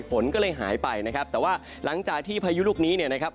ฝนก็เลยหายไปนะครับแต่ว่าหลังจากที่พายุลูกนี้เนี่ยนะครับ